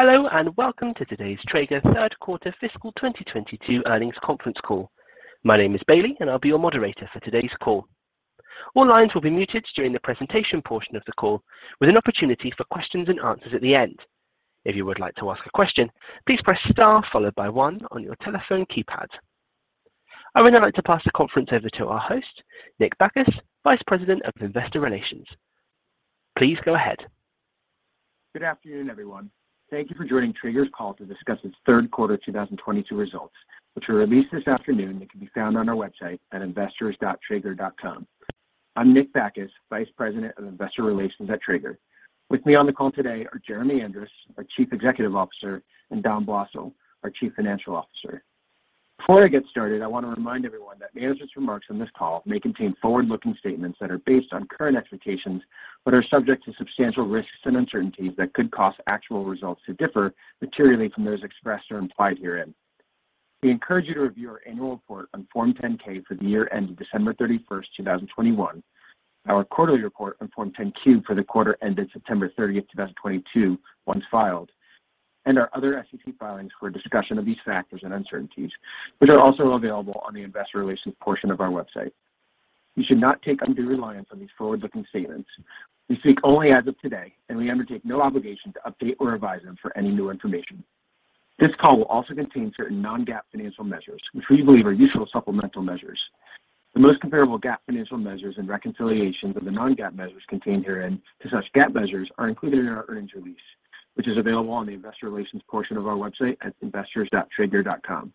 Hello and welcome to today's Traeger Third Quarter Fiscal 2022 Earnings Conference Call. My name is Bailey, and I'll be your moderator for today's call. All lines will be muted during the presentation portion of the call, with an opportunity for questions and answers at the end. If you would like to ask a question, please press star followed by one on your telephone keypad. I would now like to pass the conference over to our host, Nick Bacchus, Vice President of Investor Relations. Please go ahead. Good afternoon, everyone. Thank you for joining Traeger's call to discuss its third quarter 2022 results, which were released this afternoon and can be found on our website at investors.traeger.com. I'm Nick Bacchus, Vice President of Investor Relations at Traeger. With me on the call today are Jeremy Andrus, our Chief Executive Officer, and Dom Blosil, our Chief Financial Officer. Before I get started, I want to remind everyone that management's remarks on this call may contain forward-looking statements that are based on current expectations but are subject to substantial risks and uncertainties that could cause actual results to differ materially from those expressed or implied herein. We encourage you to review our annual report on Form 10-K for the year ended December 31st, 2021, our quarterly report on Form 10-Q for the quarter ended September 30th, 2022, once filed, and our other SEC filings for a discussion of these factors and uncertainties, which are also available on the investor relations portion of our website. You should not take undue reliance on these forward-looking statements. We speak only as of today, and we undertake no obligation to update or revise them for any new information. This call will also contain certain non-GAAP financial measures, which we believe are useful supplemental measures. The most comparable GAAP financial measures and reconciliations of the non-GAAP measures contained herein to such GAAP measures are included in our earnings release, which is available on the investor relations portion of our website at investors.traeger.com.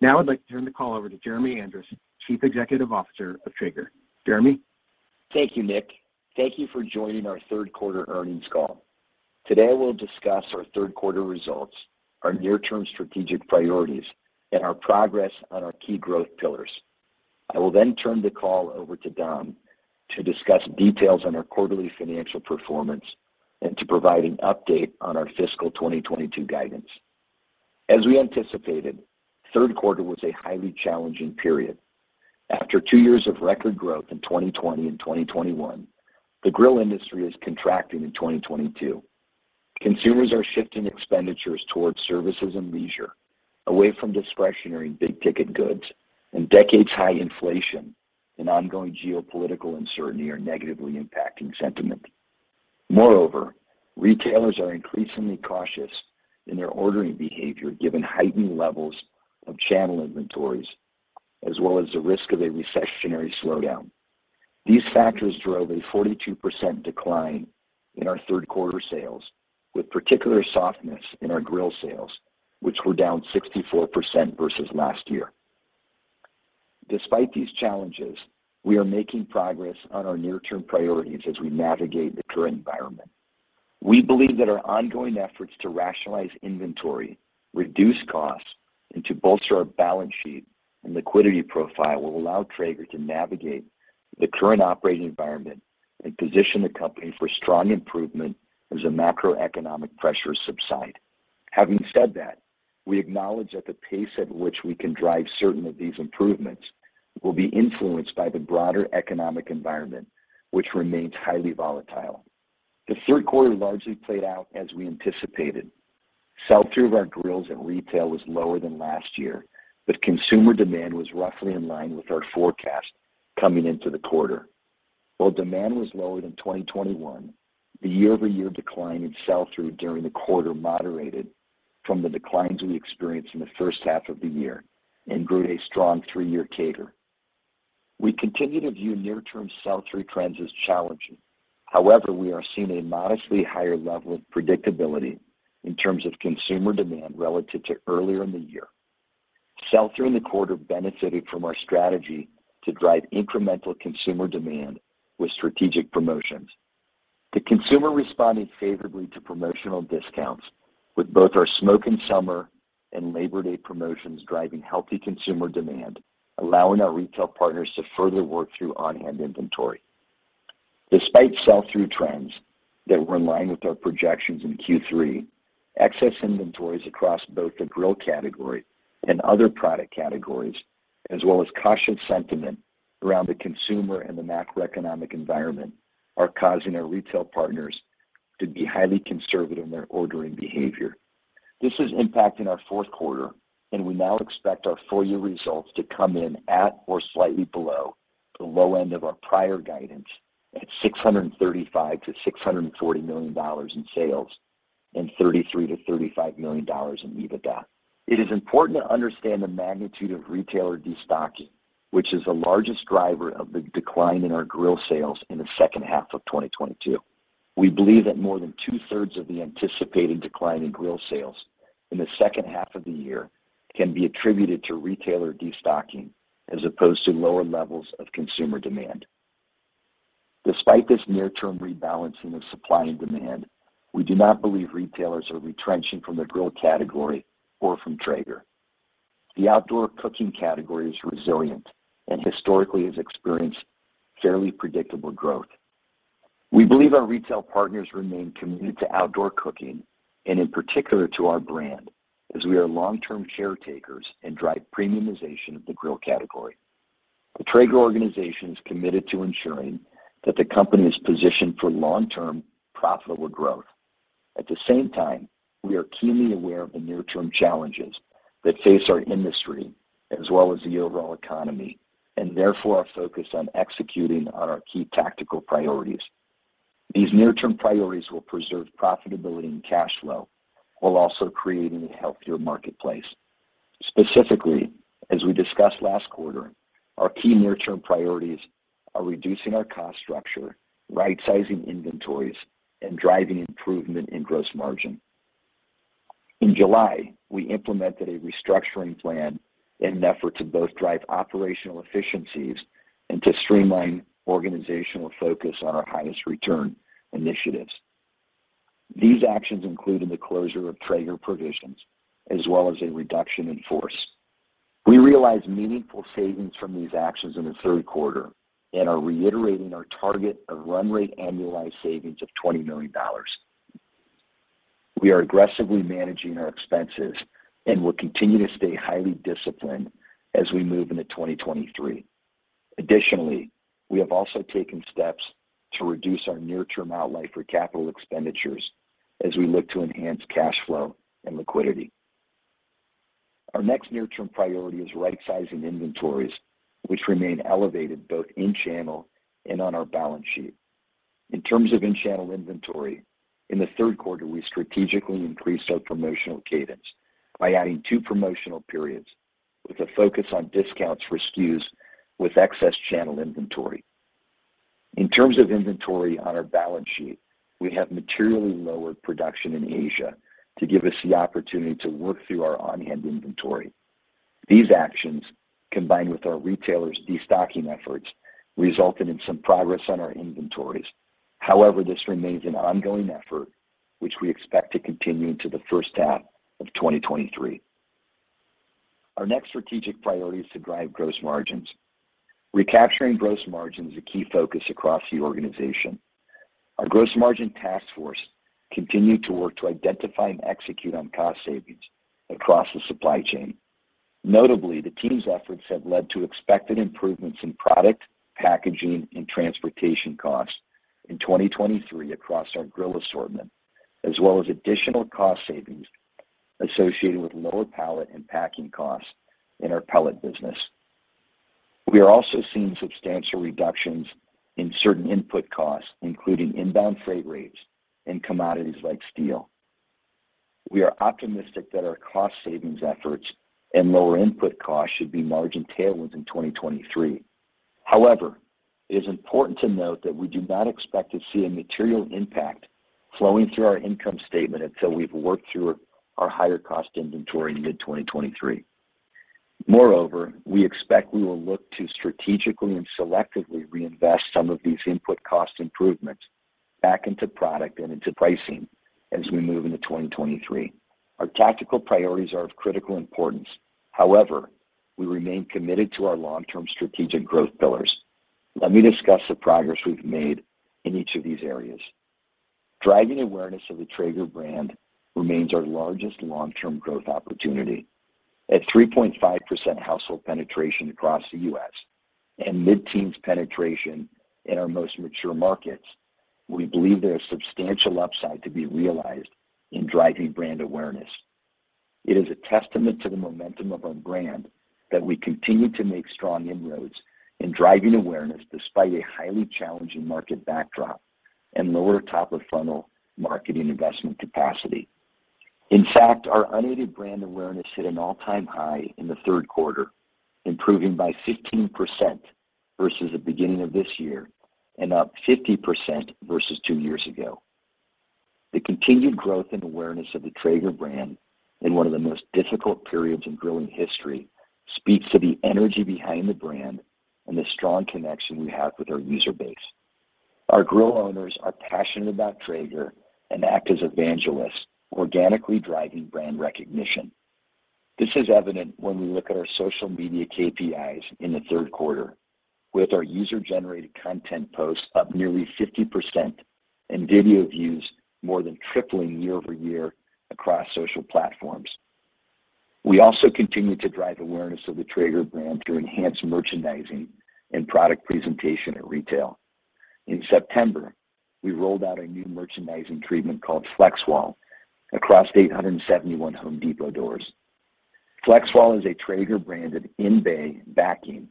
Now I'd like to turn the call over to Jeremy Andrus, Chief Executive Officer of Traeger. Jeremy? Thank you, Nick. Thank you for joining our third quarter earnings call. Today, we'll discuss our third quarter results, our near-term strategic priorities, and our progress on our key growth pillars. I will then turn the call over to Dom to discuss details on our quarterly financial performance and to provide an update on our fiscal 2022 guidance. As we anticipated, third quarter was a highly challenging period. After two years of record growth in 2020 and 2021, the grill industry is contracting in 2022. Consumers are shifting expenditures towards services and leisure away from discretionary big-ticket goods, and decades-high inflation and ongoing geopolitical uncertainty are negatively impacting sentiment. Moreover, retailers are increasingly cautious in their ordering behavior, given heightened levels of channel inventories as well as the risk of a recessionary slowdown. These factors drove a 42% decline in our third quarter sales, with particular softness in our grill sales, which were down 64% versus last year. Despite these challenges, we are making progress on our near-term priorities as we navigate the current environment. We believe that our ongoing efforts to rationalize inventory, reduce costs, and to bolster our balance sheet and liquidity profile will allow Traeger to navigate the current operating environment and position the company for strong improvement as the macroeconomic pressures subside. Having said that, we acknowledge that the pace at which we can drive certain of these improvements will be influenced by the broader economic environment, which remains highly volatile. The third quarter largely played out as we anticipated. Sell-through of our grills in retail was lower than last year, but consumer demand was roughly in line with our forecast coming into the quarter. While demand was lower than 2021, the year-over-year decline in sell-through during the quarter moderated from the declines we experienced in the first half of the year and grew at a strong three-year CAGR. We continue to view near-term sell-through trends as challenging. However, we are seeing a modestly higher level of predictability in terms of consumer demand relative to earlier in the year. Sell-through in the quarter benefited from our strategy to drive incremental consumer demand with strategic promotions. The consumer responded favorably to promotional discounts with both our Smoke into Summer and Labor Day promotions driving healthy consumer demand, allowing our retail partners to further work through on-hand inventory. Despite sell-through trends that were in line with our projections in Q3, excess inventories across both the grill category and other product categories, as well as cautious sentiment around the consumer and the macroeconomic environment, are causing our retail partners to be highly conservative in their ordering behavior. This is impacting our fourth quarter, and we now expect our full year results to come in at or slightly below the low end of our prior guidance at $635 million-$640 million in sales and $33 million-$35 million in EBITDA. It is important to understand the magnitude of retailer destocking, which is the largest driver of the decline in our grill sales in the second half of 2022. We believe that more than two-thirds of the anticipated decline in grill sales in the second half of the year can be attributed to retailer destocking as opposed to lower levels of consumer demand. Despite this near-term rebalancing of supply and demand, we do not believe retailers are retrenching from the grill category or from Traeger. The outdoor cooking category is resilient and historically has experienced fairly predictable growth. We believe our retail partners remain committed to outdoor cooking and in particular to our brand as we are long-term caretakers and drive premiumization of the grill category. The Traeger organization is committed to ensuring that the company is positioned for long-term profitable growth. At the same time, we are keenly aware of the near-term challenges that face our industry as well as the overall economy, and therefore are focused on executing on our key tactical priorities. These near-term priorities will preserve profitability and cash flow while also creating a healthier marketplace. Specifically, as we discussed last quarter, our key near-term priorities are reducing our cost structure, right-sizing inventories, and driving improvement in gross margin. In July, we implemented a restructuring plan in an effort to both drive operational efficiencies and to streamline organizational focus on our highest return initiatives. These actions include the closure of Traeger Provisions as well as a reduction in force. We realized meaningful savings from these actions in the third quarter and are reiterating our target of run rate annualized savings of $20 million. We are aggressively managing our expenses and will continue to stay highly disciplined as we move into 2023. Additionally, we have also taken steps to reduce our near-term outlay for capital expenditures as we look to enhance cash flow and liquidity. Our next near-term priority is right-sizing inventories, which remain elevated both in-channel and on our balance sheet. In terms of in-channel inventory, in the third quarter, we strategically increased our promotional cadence by adding two promotional periods with a focus on discounts for SKUs with excess channel inventory. In terms of inventory on our balance sheet, we have materially lowered production in Asia to give us the opportunity to work through our on-hand inventory. These actions, combined with our retailers' destocking efforts, resulted in some progress on our inventories. However, this remains an ongoing effort, which we expect to continue into the first half of 2023. Our next strategic priority is to drive gross margins. Recapturing gross margin is a key focus across the organization. Our gross margin task force continued to work to identify and execute on cost savings across the supply chain. Notably, the team's efforts have led to expected improvements in product, packaging, and transportation costs in 2023 across our grill assortment, as well as additional cost savings associated with lower pallet and packing costs in our pellet business. We are also seeing substantial reductions in certain input costs, including inbound freight rates and commodities like steel. We are optimistic that our cost savings efforts and lower input costs should be margin tailwinds in 2023. However, it is important to note that we do not expect to see a material impact flowing through our income statement until we've worked through our higher cost inventory in mid-2023. Moreover, we expect we will look to strategically and selectively reinvest some of these input cost improvements back into product and into pricing as we move into 2023. Our tactical priorities are of critical importance. However, we remain committed to our long-term strategic growth pillars. Let me discuss the progress we've made in each of these areas. Driving awareness of the Traeger brand remains our largest long-term growth opportunity. At 3.5% household penetration across the U.S. and mid-teens penetration in our most mature markets, we believe there is substantial upside to be realized in driving brand awareness. It is a testament to the momentum of our brand that we continue to make strong inroads in driving awareness despite a highly challenging market backdrop and lower top-of-funnel marketing investment capacity. In fact, our unaided brand awareness hit an all-time high in the third quarter, improving by 15% versus the beginning of this year and up 50% versus two years ago. The continued growth and awareness of the Traeger brand in one of the most difficult periods in grilling history speaks to the energy behind the brand and the strong connection we have with our user base. Our grill owners are passionate about Traeger and act as evangelists, organically driving brand recognition. This is evident when we look at our social media KPIs in the third quarter with our user-generated content posts up nearly 50% and video views more than tripling year-over-year across social platforms. We also continue to drive awareness of the Traeger brand through enhanced merchandising and product presentation at retail. In September, we rolled out a new merchandising treatment called FlexWall across 871 Home Depot doors. FlexWall is a Traeger-branded in-bay backing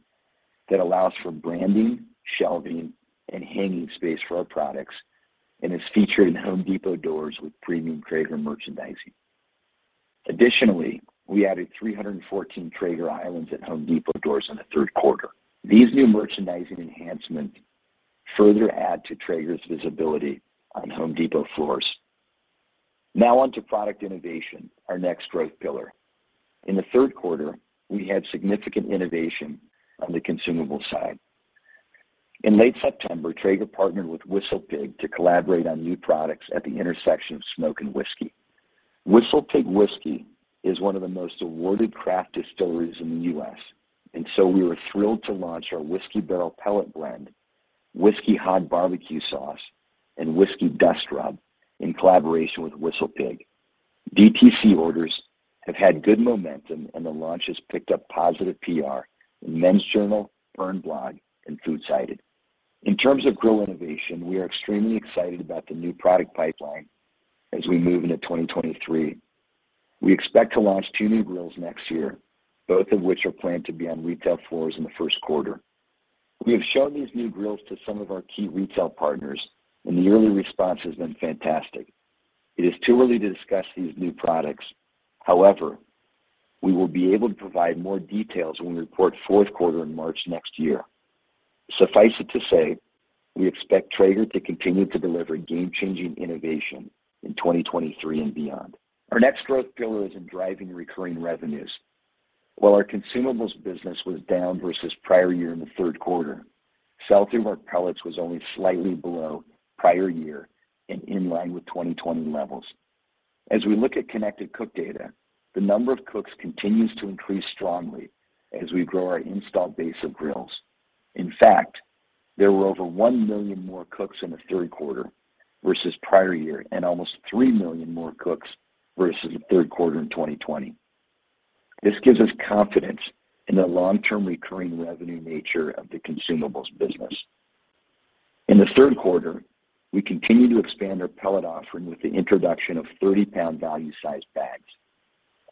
that allows for branding, shelving, and hanging space for our products and is featured in Home Depot stores with premium Traeger merchandising. Additionally, we added 314 Traeger islands at Home Depot stores in the third quarter. These new merchandising enhancements further add to Traeger's visibility on Home Depot floors. Now on to product innovation, our next growth pillar. In the third quarter, we had significant innovation on the consumables side. In late September, Traeger partnered with WhistlePig to collaborate on new products at the intersection of smoke and whiskey. WhistlePig Whiskey is one of the most awarded craft distilleries in the U.S., and so we were thrilled to launch our Whiskey Barrel Pellet Blend, Whiskey Hog BBQ Sauce, and Whiskey Dust Rub in collaboration with WhistlePig. DTC orders have had good momentum and the launch has picked up positive PR in Men's Journal, Burn Blog, and FoodSided. In terms of grill innovation, we are extremely excited about the new product pipeline as we move into 2023. We expect to launch two new grills next year, both of which are planned to be on retail floors in the first quarter. We have shown these new grills to some of our key retail partners, and the early response has been fantastic. It is too early to discuss these new products. However, we will be able to provide more details when we report fourth quarter in March next year. Suffice it to say, we expect Traeger to continue to deliver game-changing innovation in 2023 and beyond. Our next growth pillar is in driving recurring revenues. While our consumables business was down versus prior year in the third quarter, sell-through of our pellets was only slightly below prior year and in line with 2020 levels. As we look at connected cook data, the number of cooks continues to increase strongly as we grow our installed base of grills. In fact, there were over 1 million more cooks in the third quarter versus prior year and almost 3 million more cooks versus the third quarter in 2020. This gives us confidence in the long-term recurring revenue nature of the consumables business. In the third quarter, we continued to expand our pellet offering with the introduction of 30-pound value-sized bags.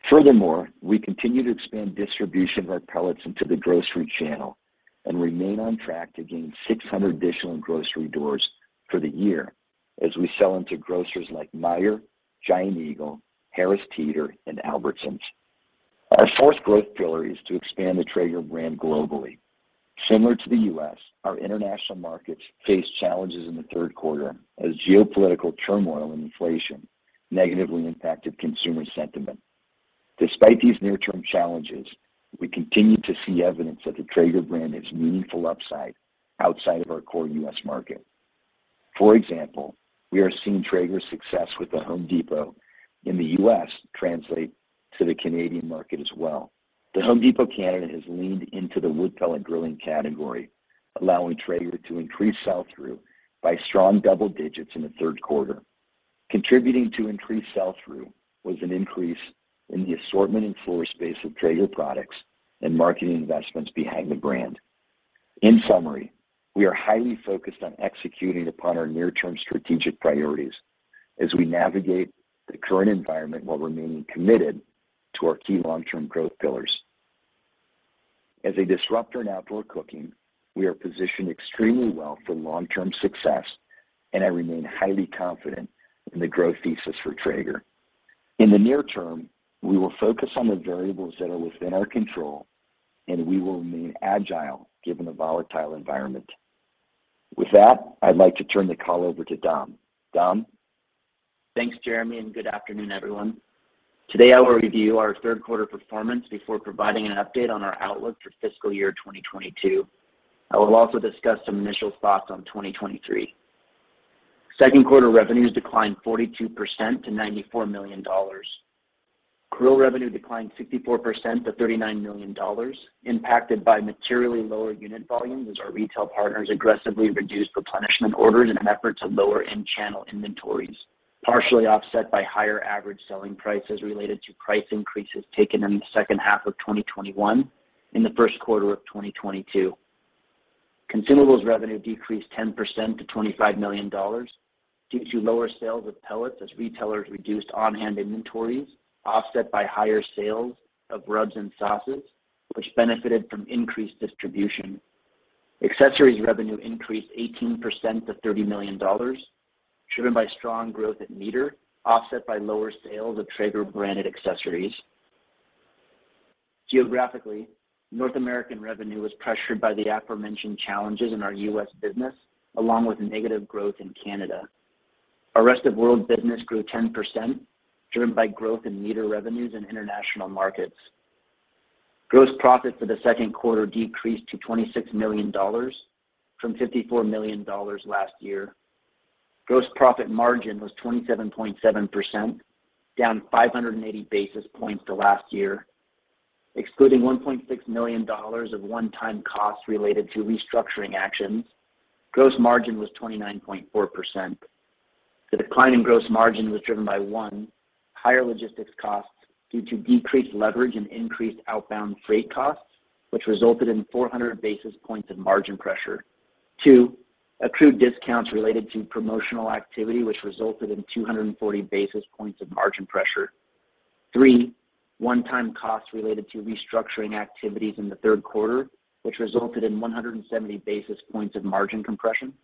Furthermore, we continue to expand distribution of our pellets into the grocery channel and remain on track to gain 600 additional grocery doors for the year as we sell into grocers like Meijer, Giant Eagle, Harris Teeter, and Albertsons. Our fourth growth pillar is to expand the Traeger brand globally. Similar to the U.S., our international markets faced challenges in the third quarter as geopolitical turmoil and inflation negatively impacted consumer sentiment. Despite these near-term challenges, we continue to see evidence that the Traeger brand has meaningful upside outside of our core U.S. market. For example, we are seeing Traeger's success with The Home Depot in the U.S. translate to the Canadian market as well. The Home Depot Canada has leaned into the wood pellet grilling category, allowing Traeger to increase sell-through by strong double digits in the third quarter. Contributing to increased sell-through was an increase in the assortment and floor space of Traeger products and marketing investments behind the brand. In summary, we are highly focused on executing upon our near-term strategic priorities as we navigate the current environment while remaining committed to our key long-term growth pillars. As a disruptor in outdoor cooking, we are positioned extremely well for long-term success, and I remain highly confident in the growth thesis for Traeger. In the near term, we will focus on the variables that are within our control, and we will remain agile given the volatile environment. With that, I'd like to turn the call over to Dom. Dom? Thanks, Jeremy, and good afternoon, everyone. Today, I will review our third quarter performance before providing an update on our outlook for fiscal year 2022. I will also discuss some initial thoughts on 2023. Second quarter revenues declined 42% to $94 million. Grill revenue declined 64% to $39 million, impacted by materially lower unit volumes as our retail partners aggressively reduced replenishment orders in an effort to lower in-channel inventories, partially offset by higher average selling prices related to price increases taken in the second half of 2021 in the first quarter of 2022. Consumables revenue decreased 10% to $25 million due to lower sales of pellets as retailers reduced on-hand inventories, offset by higher sales of rubs and sauces, which benefited from increased distribution. Accessories revenue increased 18% to $30 million, driven by strong growth at MEATER, offset by lower sales of Traeger-branded accessories. Geographically, North American revenue was pressured by the aforementioned challenges in our U.S. business, along with negative growth in Canada. Our rest-of-world business grew 10%, driven by growth in MEATER revenues in international markets. Gross profit for the second quarter decreased to $26 million from $54 million last year. Gross profit margin was 27.7%, down 580 basis points from last year. Excluding $1.6 million of one-time costs related to restructuring actions, gross margin was 29.4%. The decline in gross margin was driven by, one, higher logistics costs due to decreased leverage and increased outbound freight costs, which resulted in 400 basis points of margin pressure. Two, accrued discounts related to promotional activity, which resulted in 240 basis points of margin pressure. Three, one-time costs related to restructuring activities in the third quarter, which resulted in 170 basis points of margin compression.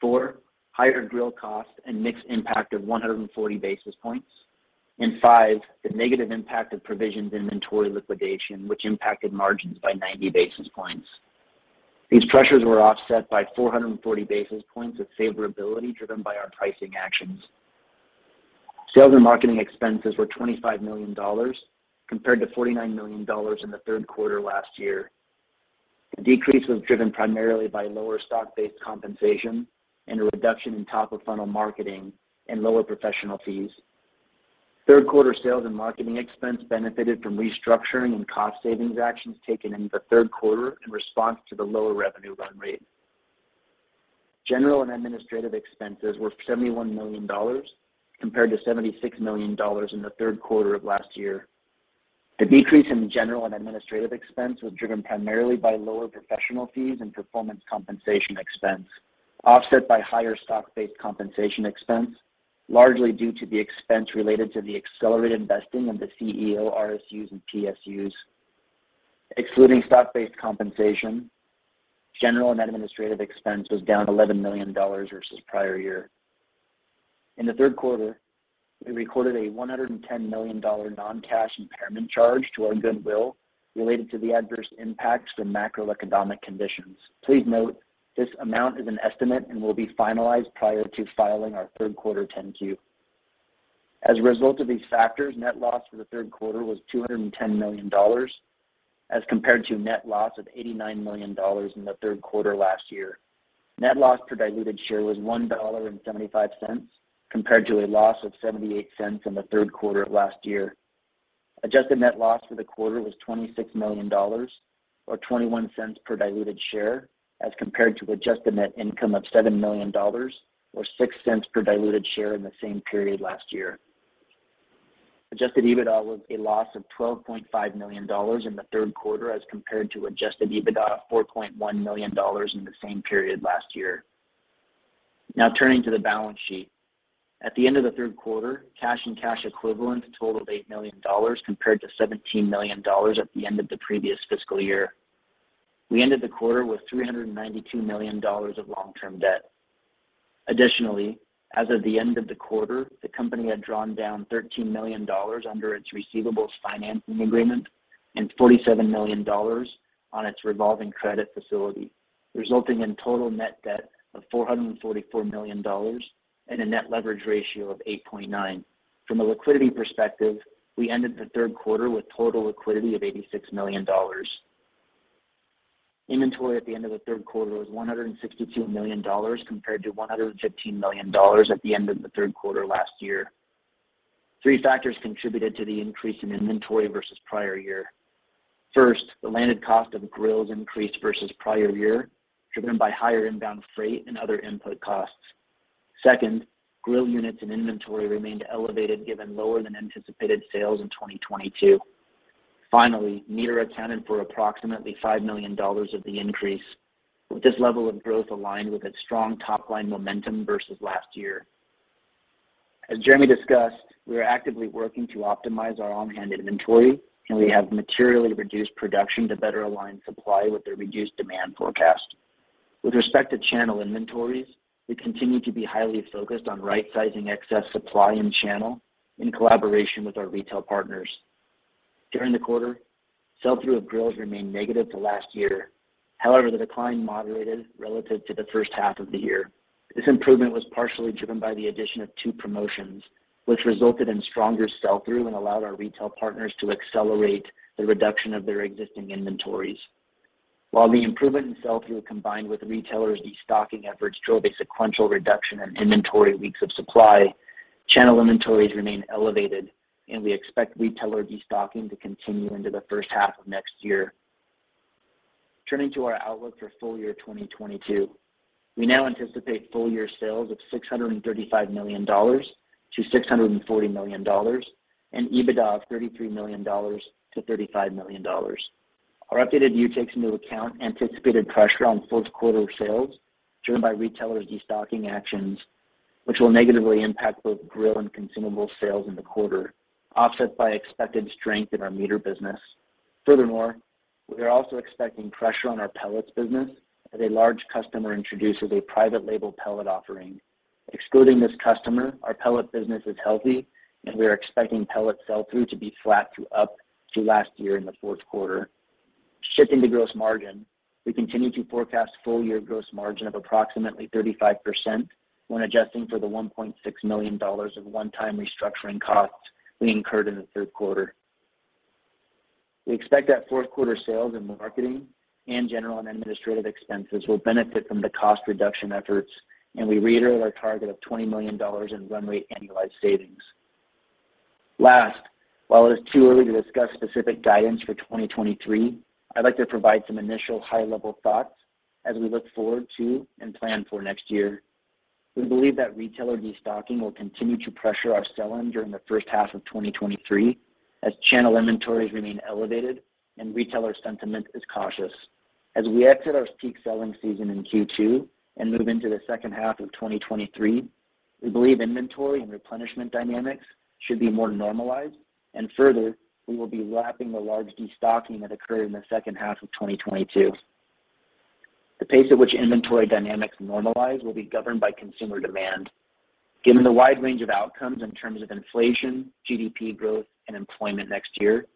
Four, higher grill costs and mixed impact of 140 basis points. Five, the negative impact of provisions inventory liquidation, which impacted margins by 90 basis points. These pressures were offset by 440 basis points of favorability driven by our pricing actions. Sales and marketing expenses were $25 million compared to $49 million in the third quarter last year. The decrease was driven primarily by lower stock-based compensation and a reduction in top-of-funnel marketing and lower professional fees. Third quarter sales and marketing expense benefited from restructuring and cost savings actions taken in the third quarter in response to the lower revenue run rate. General and administrative expenses were $71 million compared to $76 million in the third quarter of last year. The decrease in general and administrative expense was driven primarily by lower professional fees and performance compensation expense, offset by higher stock-based compensation expense, largely due to the expense related to the accelerated vesting of the CEO RSUs and PSUs. Excluding stock-based compensation, general and administrative expense was down $11 million versus prior year. In the third quarter, we recorded a $110 million non-cash impairment charge to our goodwill related to the adverse impacts from macroeconomic conditions. Please note, this amount is an estimate and will be finalized prior to filing our third quarter 10-Q. As a result of these factors, net loss for the third quarter was $210 million as compared to net loss of $89 million in the third quarter last year. Net loss per diluted share was $1.75 compared to a loss of $0.78 in the third quarter of last year. Adjusted net loss for the quarter was $26 million or $0.21 per diluted share as compared to adjusted net income of $7 million or $0.06 per diluted share in the same period last year. Adjusted EBITDA was a loss of $12.5 million in the third quarter as compared to adjusted EBITDA of $4.1 million in the same period last year. Now turning to the balance sheet. At the end of the third quarter, cash and cash equivalents totaled $8 million compared to $17 million at the end of the previous fiscal year. We ended the quarter with $392 million of long-term debt. Additionally, as of the end of the quarter, the company had drawn down $13 million under its receivables financing agreement and $47 million on its revolving credit facility, resulting in total net debt of $444 million and a net leverage ratio of 8.9. From a liquidity perspective, we ended the third quarter with total liquidity of $86 million. Inventory at the end of the third quarter was $162 million compared to $115 million at the end of the third quarter last year. Three factors contributed to the increase in inventory versus prior year. First, the landed cost of grills increased versus prior year, driven by higher inbound freight and other input costs. Second, grill units and inventory remained elevated given lower than anticipated sales in 2022. Finally, MEATER accounted for approximately $5 million of the increase, with this level of growth aligned with its strong top-line momentum versus last year. As Jeremy discussed, we are actively working to optimize our on-hand inventory, and we have materially reduced production to better align supply with the reduced demand forecast. With respect to channel inventories, we continue to be highly focused on right-sizing excess supply in channel in collaboration with our retail partners. During the quarter, sell-through of grills remained negative to last year. However, the decline moderated relative to the first half of the year. This improvement was partially driven by the addition of two promotions, which resulted in stronger sell-through and allowed our retail partners to accelerate the reduction of their existing inventories. While the improvement in sell-through combined with retailers' destocking efforts drove a sequential reduction in inventory weeks of supply, channel inventories remain elevated, and we expect retailer destocking to continue into the first half of next year. Turning to our outlook for full year 2022, we now anticipate full year sales of $635 million-$640 million and EBITDA of $33 million-$35 million. Our updated view takes into account anticipated pressure on fourth quarter sales driven by retailers' destocking actions, which will negatively impact both grill and consumables sales in the quarter, offset by expected strength in our MEATER business. Furthermore, we are also expecting pressure on our pellets business as a large customer introduces a private label pellet offering. Excluding this customer, our pellets business is healthy, and we are expecting pellets sell-through to be flat to up to last year in the fourth quarter. Shifting to gross margin, we continue to forecast full year gross margin of approximately 35% when adjusting for the $1.6 million of one-time restructuring costs we incurred in the third quarter. We expect that fourth quarter sales and marketing and general and administrative expenses will benefit from the cost reduction efforts, and we reiterate our target of $20 million in run rate annualized savings. Last, while it is too early to discuss specific guidance for 2023, I'd like to provide some initial high-level thoughts as we look forward to and plan for next year. We believe that retailer destocking will continue to pressure our sell-in during the first half of 2023 as channel inventories remain elevated and retailer sentiment is cautious. As we exit our peak selling season in Q2 and move into the second half of 2023, we believe inventory and replenishment dynamics should be more normalized, and further, we will be lapping the large destocking that occurred in the second half of 2022. The pace at which inventory dynamics normalize will be governed by consumer demand. Given the wide range of outcomes in terms of inflation, GDP growth, and employment next year,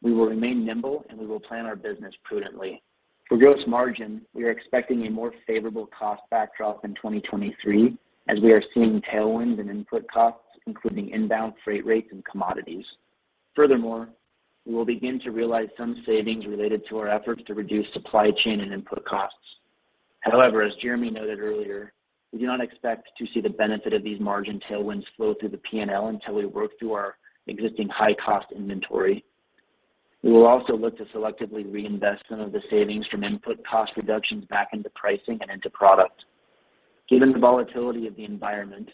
we will remain nimble and we will plan our business prudently. For gross margin, we are expecting a more favorable cost backdrop in 2023 as we are seeing tailwinds in input costs, including inbound freight rates and commodities. Furthermore, we will begin to realize some savings related to our efforts to reduce supply chain and input costs. However, as Jeremy noted earlier, we do not expect to see the benefit of these margin tailwinds flow through the P&L until we work through our existing high-cost inventory. We will also look to selectively reinvest some of the savings from input cost reductions back into pricing and into product. Given the volatility of the environment,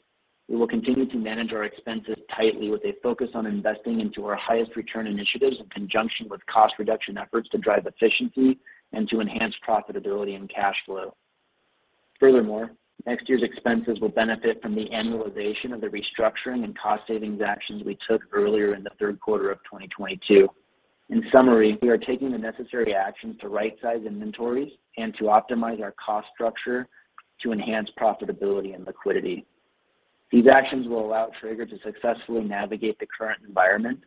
we will continue to manage our expenses tightly with a focus on investing into our highest return initiatives in conjunction with cost reduction efforts to drive efficiency and to enhance profitability and cash flow. Furthermore, next year's expenses will benefit from the annualization of the restructuring and cost savings actions we took earlier in the third quarter of 2022. In summary, we are taking the necessary actions to right-size inventories and to optimize our cost structure to enhance profitability and liquidity. These actions will allow Traeger to successfully navigate the current environment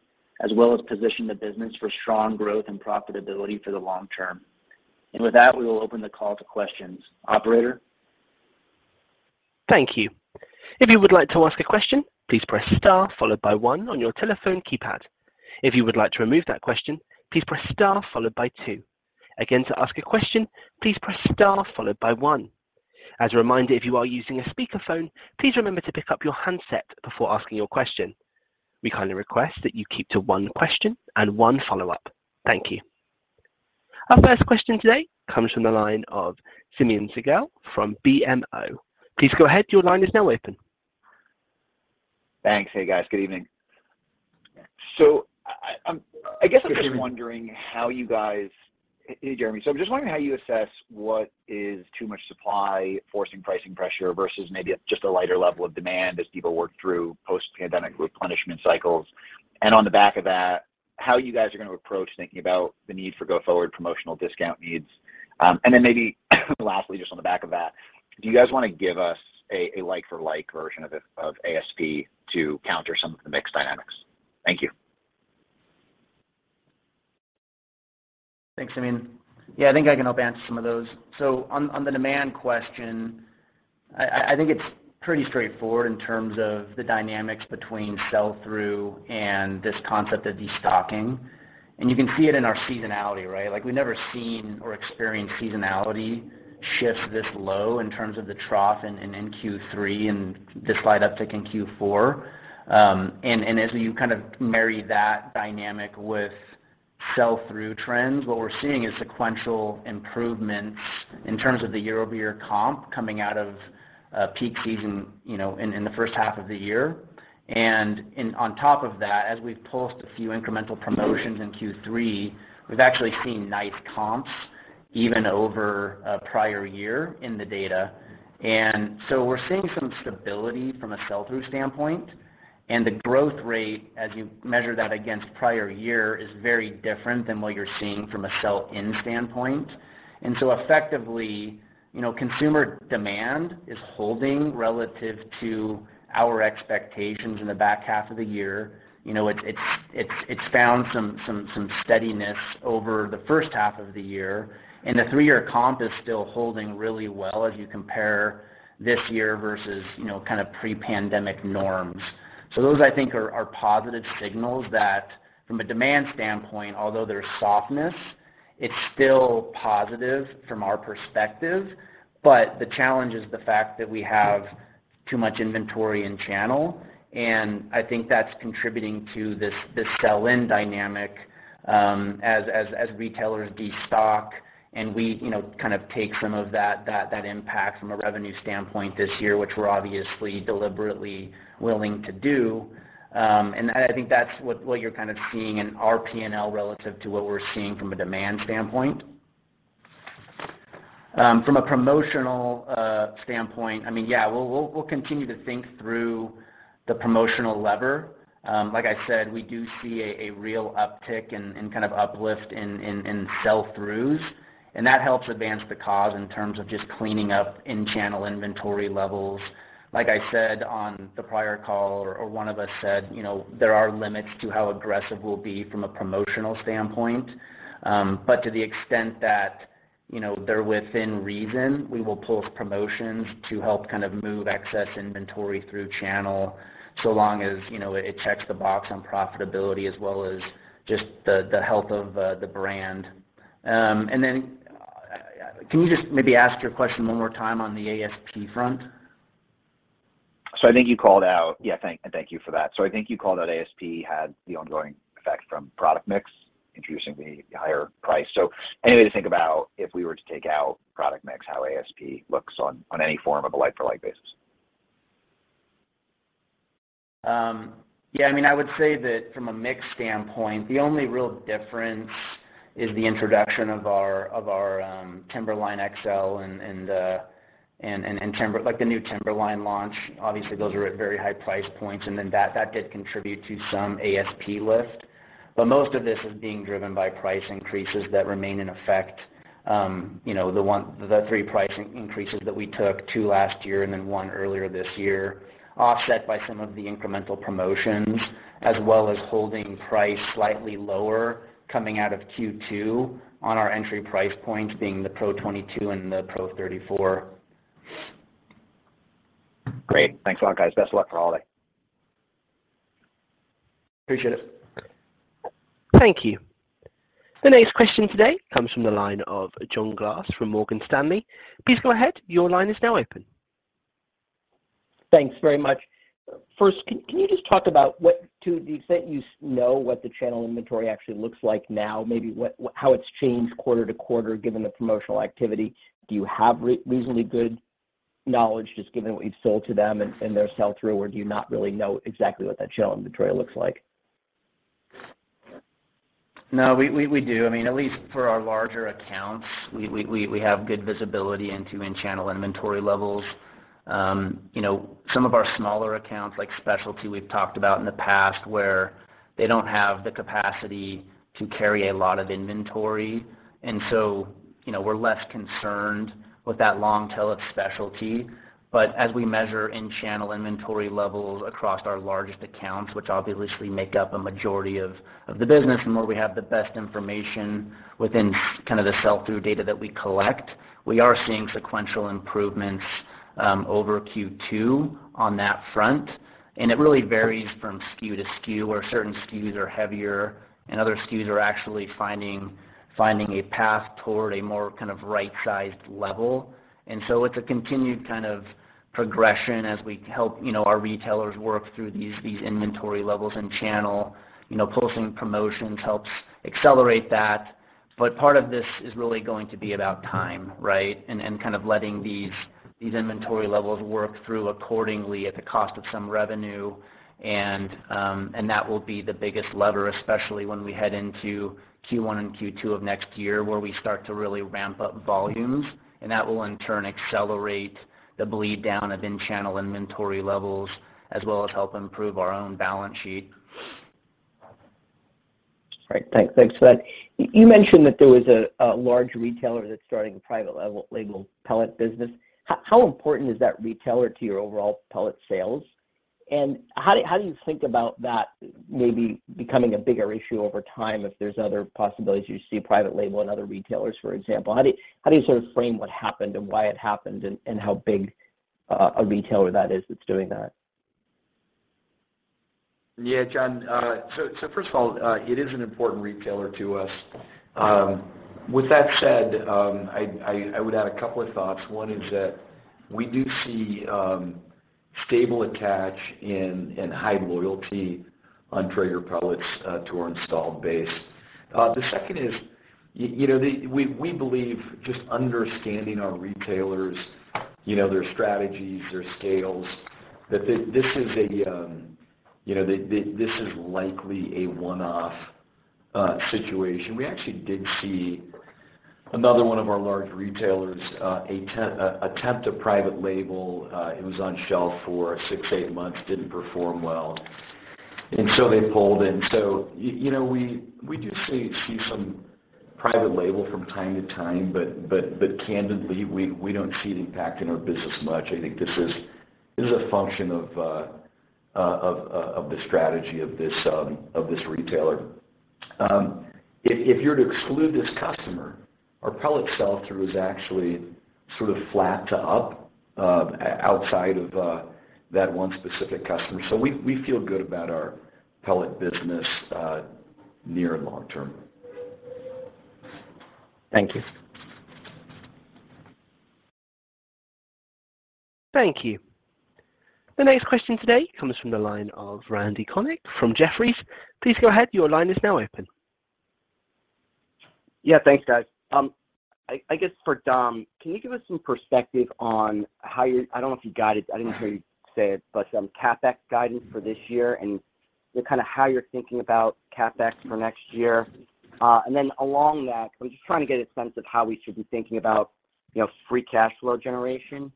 as well as position the business for strong growth and profitability for the long term. With that, we will open the call to questions. Operator? Thank you. If you would like to ask a question, please press star followed by one on your telephone keypad. If you would like to remove that question, please press star followed by two. Again, to ask a question, please press star followed by one. As a reminder, if you are using a speakerphone, please remember to pick up your handset before asking your question. We kindly request that you keep to one question and one follow-up. Thank you. Our first question today comes from the line of Simeon Siegel from BMO. Please go ahead, your line is now open. Thanks. Hey, guys. Good evening. I guess I'm just wondering how you guys... Hey, Jeremy. I'm just wondering how you assess what is too much supply forcing pricing pressure versus maybe just a lighter level of demand as people work through post-pandemic replenishment cycles. On the back of that, how you guys are gonna approach thinking about the need for go-forward promotional discount needs. Then maybe lastly, just on the back of that, do you guys wanna give us a like for like version of ASP to counter some of the mix dynamics? Thank you. Thanks, Simeon. Yeah. I think I can help answer some of those. On the demand question, I think it's pretty straightforward in terms of the dynamics between sell-through and this concept of destocking. You can see it in our seasonality, right? Like, we've never seen or experienced seasonality shifts this low in terms of the trough in Q3 and the slight uptick in Q4. As you kind of marry that dynamic with sell-through trends, what we're seeing is sequential improvements in terms of the year-over-year comp coming out of peak season, you know, in the first half of the year. On top of that, as we've pulsed a few incremental promotions in Q3, we've actually seen nice comps even over a prior year in the data. We're seeing some stability from a sell-through standpoint, and the growth rate as you measure that against prior year is very different than what you're seeing from a sell-in standpoint. Effectively, you know, consumer demand is holding relative to our expectations in the back half of the year. You know, it's found some steadiness over the first half of the year, and the three-year comp is still holding really well as you compare this year versus, you know, kind of pre-pandemic norms. Those, I think, are positive signals from a demand standpoint, although there's softness, it's still positive from our perspective. The challenge is the fact that we have too much inventory in channel, and I think that's contributing to this sell-in dynamic, as retailers destock and we, you know, kind of take some of that impact from a revenue standpoint this year, which we're obviously deliberately willing to do. I think that's what you're kind of seeing in our P&L relative to what we're seeing from a demand standpoint. From a promotional standpoint, I mean, yeah, we'll continue to think through the promotional lever. Like I said, we do see a real uptick and kind of uplift in sell-throughs and that helps advance the cause in terms of just cleaning up in-channel inventory levels. Like I said on the prior call or one of us said, you know, there are limits to how aggressive we'll be from a promotional standpoint. To the extent that, you know, they're within reason, we will pulse promotions to help kind of move excess inventory through channel so long as, you know, it checks the box on profitability as well as just the health of the brand. Can you just maybe ask your question one more time on the ASP front? I think you called out. Yeah. Thank you for that. I think you called out ASP had the ongoing effect from product mix introducing the higher price. Any way to think about if we were to take out product mix, how ASP looks on any form of a like for like basis? Yeah, I mean, I would say that from a mix standpoint, the only real difference is the introduction of our Timberline XL and like the new Timberline launch. Obviously, those are at very high price points, and then that did contribute to some ASP lift. But most of this is being driven by price increases that remain in effect. You know, the three price increases that we took, two last year and then one earlier this year, offset by some of the incremental promotions as well as holding price slightly lower coming out of Q2 on our entry price point being the Pro 22 and the Pro 34. Great. Thanks a lot, guys. Best of luck for holiday. Appreciate it. Thank you. The next question today comes from the line of John Glass from Morgan Stanley. Please go ahead. Your line is now open. Thanks very much. First, can you just talk about what to the extent you know what the channel inventory actually looks like now, maybe how it's changed quarter to quarter given the promotional activity? Do you have reasonably good knowledge, just given what you've sold to them and their sell-through, or do you not really know exactly what that channel inventory looks like? No, we do. I mean, at least for our larger accounts, we have good visibility into in-channel inventory levels. You know, some of our smaller accounts, like specialty we've talked about in the past, where they don't have the capacity to carry a lot of inventory, and so, you know, we're less concerned with that long tail of specialty. But as we measure in-channel inventory levels across our largest accounts, which obviously make up a majority of the business and where we have the best information within, kind of, the sell-through data that we collect, we are seeing sequential improvements over Q2 on that front. It really varies from SKU to SKU, where certain SKUs are heavier and other SKUs are actually finding a path toward a more kind of right-sized level. It's a continued kind of progression as we help, you know, our retailers work through these inventory levels and channel. You know, closing promotions helps accelerate that. Part of this is really going to be about time, right? Kind of letting these inventory levels work through accordingly at the cost of some revenue. That will be the biggest lever, especially when we head into Q1 and Q2 of next year, where we start to really ramp up volumes. That will in turn accelerate the bleed down of in-channel inventory levels, as well as help improve our own balance sheet. All right. Thanks for that. You mentioned that there was a large retailer that's starting a private label pellet business. How important is that retailer to your overall pellet sales? And how do you think about that maybe becoming a bigger issue over time if there's other possibilities you see private label in other retailers, for example? How do you sort of frame what happened and why it happened and how big a retailer that is that's doing that? Yeah, John. First of all, it is an important retailer to us. With that said, I would add a couple of thoughts. One is that we do see stable attach and high loyalty on Traeger pellets to our installed base. The second is, you know, we believe just understanding our retailers, you know, their strategies, their scales, that this is likely a one-off situation. We actually did see another one of our large retailers attempt a private label. It was on shelf for six to eight months, didn't perform well, and so they pulled in. You know, we do see some private label from time to time, but candidly, we don't see it impacting our business much. I think this is a function of the strategy of this retailer. If you were to exclude this customer, our pellet sell-through is actually sort of flat to up outside of that one specific customer. We feel good about our pellet business near and long term. Thank you. Thank you. The next question today comes from the line of Randy Konik from Jefferies. Please go ahead. Your line is now open. Yeah. Thanks, guys. I guess for Dom, can you give us some perspective on I don't know if you guided, I didn't hear you say it, but some CapEx guidance for this year and, you know, kind of how you're thinking about CapEx for next year. Then along that, I'm just trying to get a sense of how we should be thinking about, you know, free cash flow generation.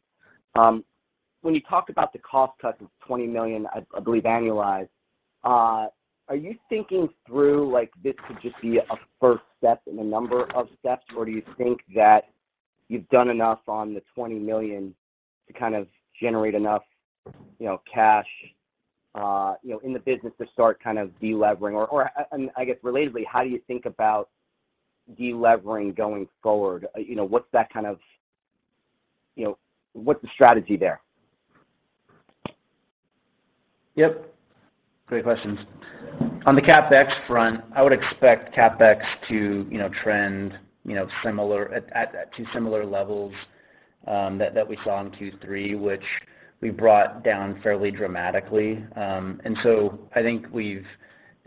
When you talk about the cost cut of $20 million, I believe annualized, are you thinking through, like, this could just be a first step in a number of steps, or do you think that you've done enough on the $20 million to kind of generate enough, you know, cash, you know, in the business to start kind of delevering? I guess relatedly, how do you think about delevering going forward? You know, what's that kind of, you know. What's the strategy there? Yep. Great questions. On the CapEx front, I would expect CapEx to you know trend you know similar to similar levels that we saw in Q3, which we brought down fairly dramatically. I think we've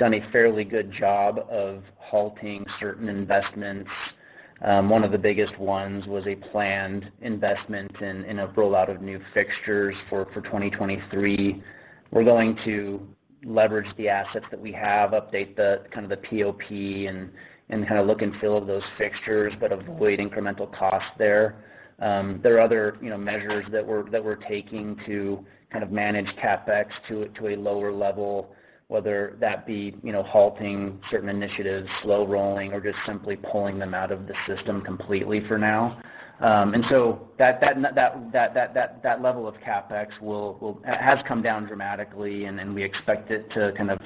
done a fairly good job of halting certain investments. One of the biggest ones was a planned investment in a rollout of new fixtures for 2023. We're going to leverage the assets that we have, update the kind of the POP and kind of look and feel of those fixtures, but avoid incremental costs there. There are other you know measures that we're taking to kind of manage CapEx to a lower level, whether that be you know halting certain initiatives, slow rolling, or just simply pulling them out of the system completely for now. That level of CapEx has come down dramatically and we expect it to kind of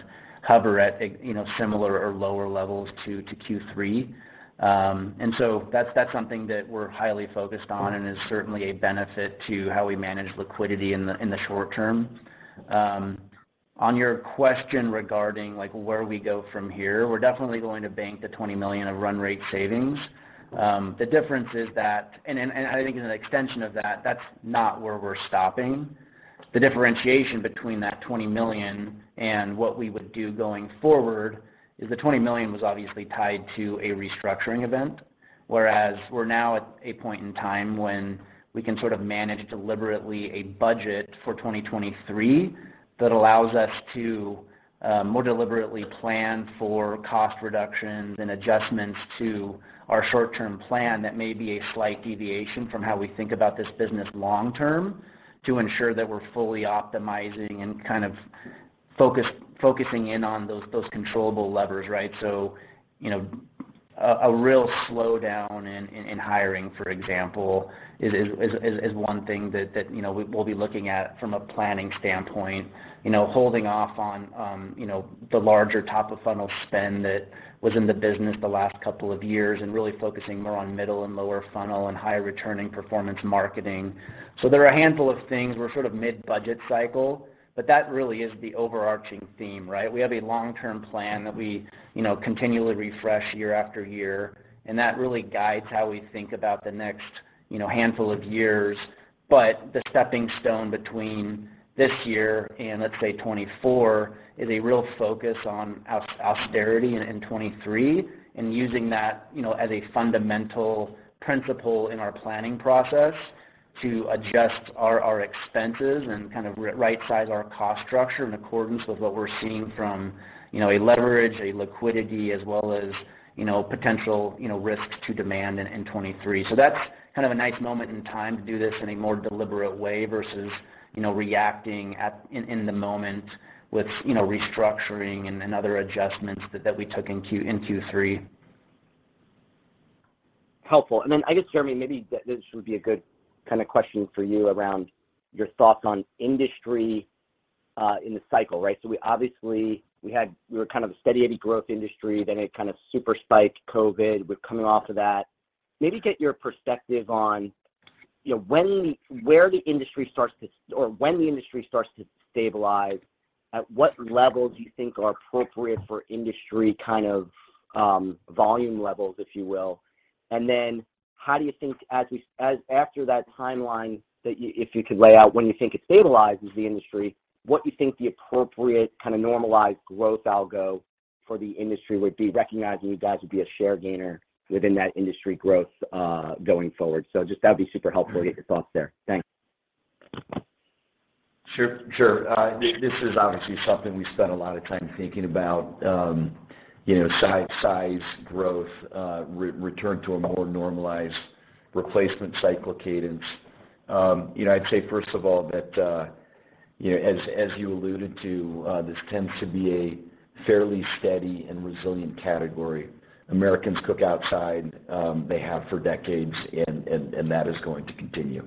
hover at a, you know, similar or lower levels to Q3. That's something that we're highly focused on and is certainly a benefit to how we manage liquidity in the short term. On your question regarding like where we go from here, we're definitely going to bank the $20 million of run rate savings. The difference is that and I think as an extension of that's not where we're stopping. The differentiation between that $20 million and what we would do going forward is the $20 million was obviously tied to a restructuring event. We're now at a point in time when we can sort of manage deliberately a budget for 2023 that allows us to more deliberately plan for cost reductions and adjustments to our short-term plan that may be a slight deviation from how we think about this business long-term to ensure that we're fully optimizing and kind of focusing in on those controllable levers, right? You know, a real slowdown in hiring, for example, is one thing that you know we'll be looking at from a planning standpoint. You know, holding off on you know the larger top of funnel spend that was in the business the last couple of years and really focusing more on middle and lower funnel and high returning performance marketing. There are a handful of things. We're sort of mid-budget cycle, but that really is the overarching theme, right? We have a long-term plan that we, you know, continually refresh year after year, and that really guides how we think about the next, you know, handful of years. The stepping stone between this year and let's say 2024 is a real focus on austerity in 2023 and using that, you know, as a fundamental principle in our planning process to adjust our expenses and kind of right size our cost structure in accordance with what we're seeing from, you know, a leverage, a liquidity, as well as, you know, potential, you know, risks to demand in 2023. That's kind of a nice moment in time to do this in a more deliberate way versus, you know, reacting in the moment with, you know, restructuring and other adjustments that we took in Q3. Helpful. I guess, Jeremy, maybe this would be a good kind of question for you around your thoughts on industry in the cycle, right? We obviously were kind of a steady eddy growth industry, then it kind of super spiked COVID. We're coming off of that. Maybe get your perspective on, you know, when the industry starts to stabilize, at what levels you think are appropriate for industry kind of volume levels, if you will. How do you think after that timeline if you could lay out when you think it stabilizes the industry, what you think the appropriate kind of normalized growth algo for the industry would be, recognizing you guys would be a share gainer within that industry growth going forward. Just that'd be super helpful to get your thoughts there. Thanks. Sure. This is obviously something we've spent a lot of time thinking about, you know, size, growth, return to a more normalized replacement cycle cadence. You know, I'd say, first of all, that, you know, as you alluded to, this tends to be a fairly steady and resilient category. Americans cook outside. They have for decades, and that is going to continue.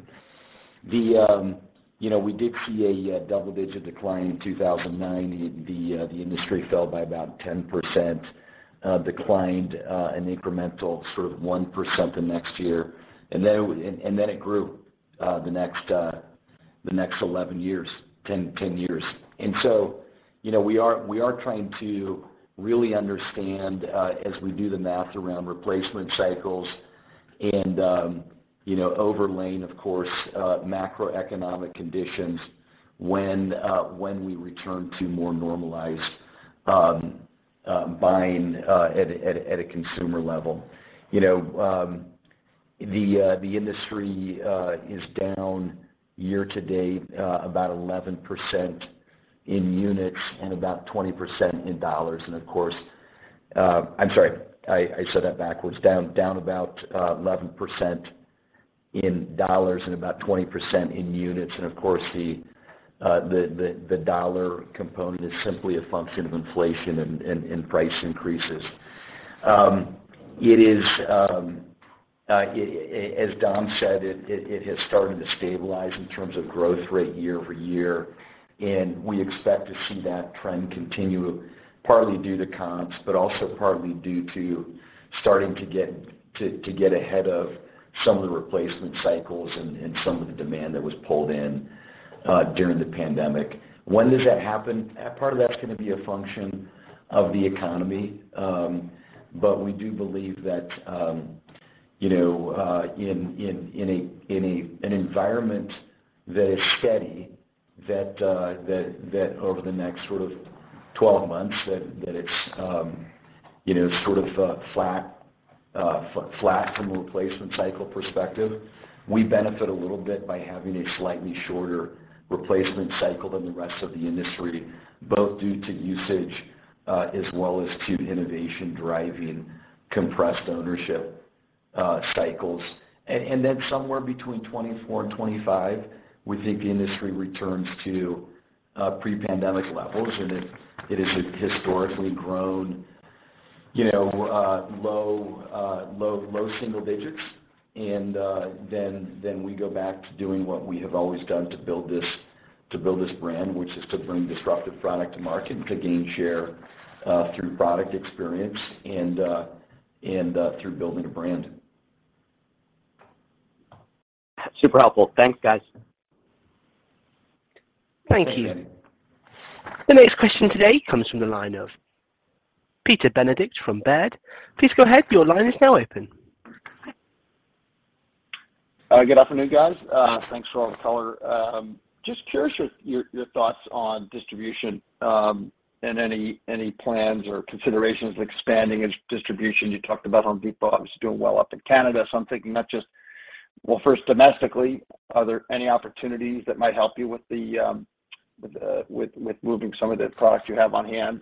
We did see a double-digit decline in 2009. The industry fell by about 10%, declined an incremental sort of 1% the next year, and then it grew the next 11 years, 10 years. You know, we are trying to really understand as we do the math around replacement cycles and you know, overlaying, of course, macroeconomic conditions when we return to more normalized buying at a consumer level. You know, the industry is down year to date about 11% in units and about 20% in dollars. Of course, I'm sorry, I said that backwards. Down about 11% in dollars and about 20% in units. Of course, the dollar component is simply a function of inflation and price increases. As Dom said, it has started to stabilize in terms of growth rate year-over-year, and we expect to see that trend continue partly due to comps, but also partly due to starting to get ahead of some of the replacement cycles and some of the demand that was pulled in during the pandemic. When does that happen? Part of that's gonna be a function of the economy. We do believe that, you know, in an environment that is steady, that over the next sort of twelve months, that it's you know, sort of flat from a replacement cycle perspective. We benefit a little bit by having a slightly shorter replacement cycle than the rest of the industry, both due to usage, as well as to innovation driving compressed ownership cycles. Somewhere between 2024 and 2025, we think the industry returns to pre-pandemic levels, and it has historically grown, you know, low single digits. We go back to doing what we have always done to build this brand, which is to bring disruptive product to market, to gain share through product experience and through building a brand. Super helpful. Thanks, guys. Thank you. The next question today comes from the line of Peter Benedict from Baird. Please go ahead. Your line is now open. Good afternoon, guys. Thanks for all the color. Just curious your thoughts on distribution, and any plans or considerations expanding its distribution. You talked about Home Depot obviously doing well up in Canada. Well, first domestically, are there any opportunities that might help you with moving some of the products you have on hand?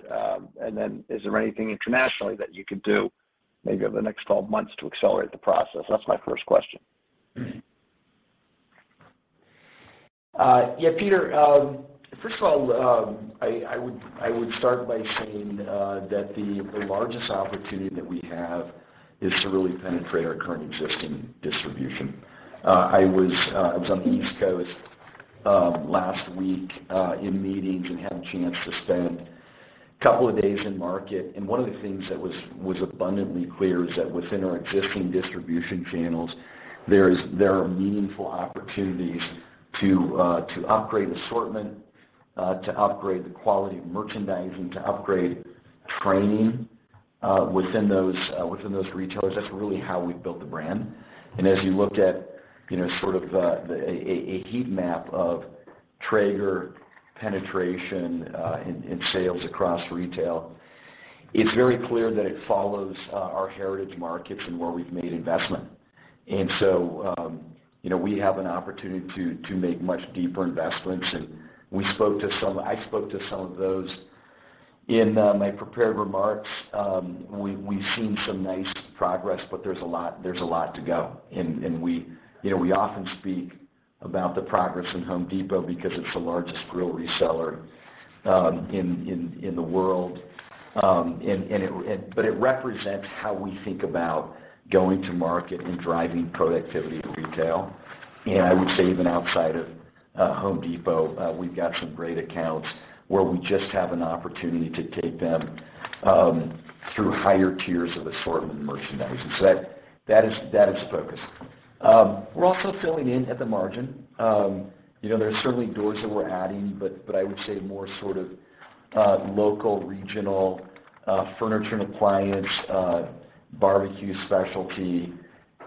Then is there anything internationally that you could do maybe over the next 12 months to accelerate the process? That's my first question. Yeah, Peter, first of all, I would start by saying that the largest opportunity that we have is to really penetrate our current existing distribution. I was on the East Coast last week in meetings and had a chance to spend a couple of days in market, and one of the things that was abundantly clear is that within our existing distribution channels there are meaningful opportunities to upgrade assortment, to upgrade the quality of merchandising, to upgrade training within those retailers. That's really how we've built the brand. As you look at, you know, sort of, a heat map of Traeger penetration, in sales across retail, it's very clear that it follows, our heritage markets and where we've made investment. You know, we have an opportunity to make much deeper investments, and I spoke to some of those in, my prepared remarks. We've seen some nice progress, but there's a lot to go. You know, we often speak about the progress in Home Depot because it's the largest grill reseller, in the world. But it represents how we think about going to market and driving productivity to retail. I would say even outside of Home Depot, we've got some great accounts where we just have an opportunity to take them through higher tiers of assortment merchandising. So that is the focus. We're also filling in at the margin. You know, there are certainly doors that we're adding, but I would say more sort of local, regional, furniture and appliance, barbecue specialty.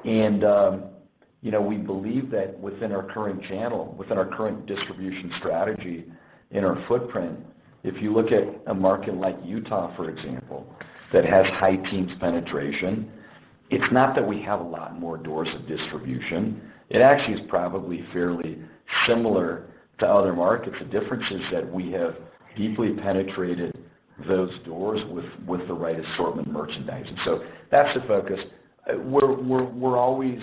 You know, we believe that within our current channel, within our current distribution strategy in our footprint, if you look at a market like Utah, for example, that has high teens penetration, it's not that we have a lot more doors of distribution. It actually is probably fairly similar to other markets. The difference is that we have deeply penetrated those doors with the right assortment merchandising. So that's the focus. We're always,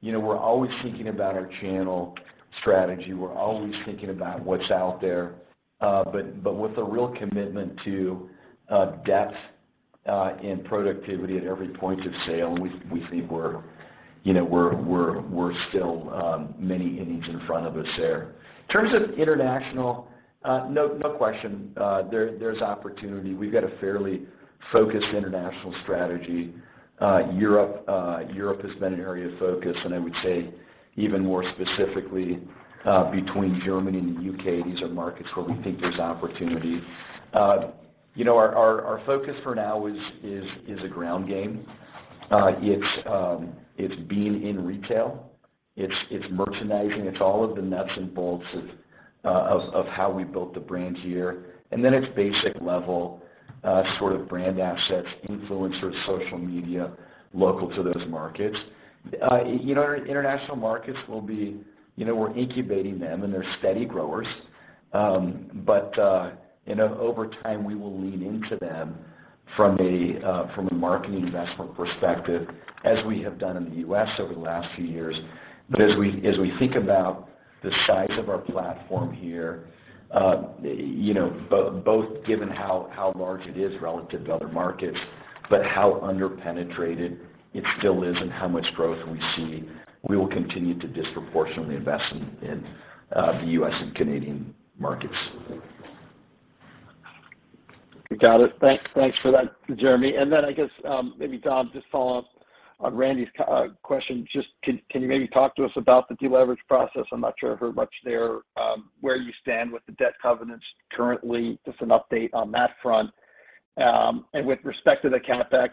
you know, thinking about our channel strategy. We're always thinking about what's out there, but with a real commitment to depth and productivity at every point of sale. We think we're, you know, still many innings in front of us there. In terms of international, no question, there's opportunity. We've got a fairly focused international strategy. Europe has been an area of focus, and I would say even more specifically, between Germany and the U.K., these are markets where we think there's opportunity. You know, our focus for now is a ground game. It's being in retail. It's merchandising. It's all of the nuts and bolts of how we built the brand here. It's basic level, sort of brand assets, influencers, social media, local to those markets. You know, our international markets will be, you know, we're incubating them and they're steady growers. But, you know, over time, we will lean into them from a, from a marketing investment perspective as we have done in the U.S. over the last few years. But as we think about the size of our platform here, you know, both given how large it is relative to other markets, but how under-penetrated it still is and how much growth we see, we will continue to disproportionately invest in the U.S. and Canadian markets. Got it. Thanks. Thanks for that, Jeremy. Then I guess, maybe Dom, just follow up on Randy's question. Just can you maybe talk to us about the deleverage process? I'm not sure I've heard much there, where you stand with the debt covenants currently, just an update on that front. With respect to the CapEx,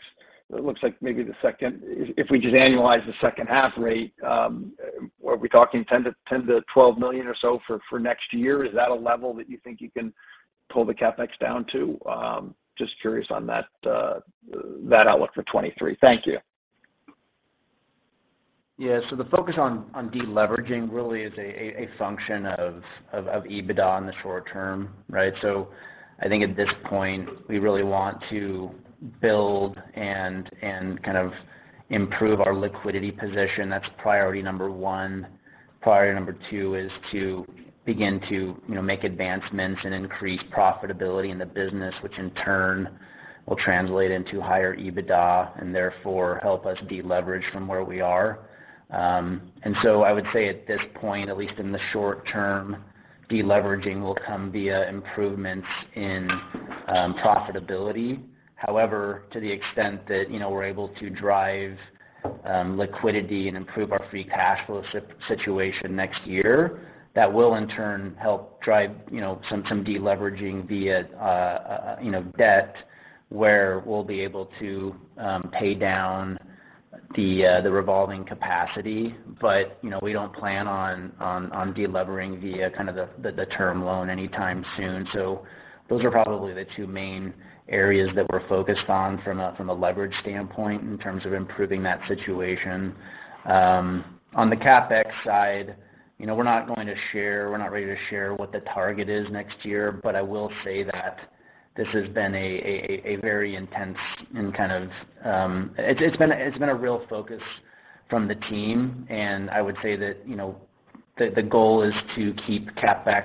it looks like maybe the second half. If we just annualize the second half rate, are we talking $10 million-$12 million or so for next year? Is that a level that you think you can pull the CapEx down to? Just curious on that outlook for 2023. Thank you. Yeah. So the focus on deleveraging really is a function of EBITDA in the short term, right? So I think at this point, we really want to build and kind of improve our liquidity position. That's priority number one. Priority number two is to begin to, you know, make advancements and increase profitability in the business, which in turn will translate into higher EBITDA and therefore help us deleverage from where we are. I would say at this point, at least in the short term Deleveraging will come via improvements in profitability. However, to the extent that, you know, we're able to drive liquidity and improve our free cash flow situation next year, that will in turn help drive, you know, some deleveraging via, you know, debt, where we'll be able to pay down the revolving capacity. You know, we don't plan on delevering via kind of the term loan anytime soon. Those are probably the two main areas that we're focused on from a leverage standpoint in terms of improving that situation. On the CapEx side, you know, we're not going to share, we're not ready to share what the target is next year, but I will say that this has been a very intense and kind of It's been a real focus from the team, and I would say that, you know, the goal is to keep CapEx